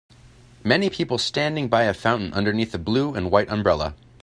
Many people standing by a fountain underneath a blue and white umbrella.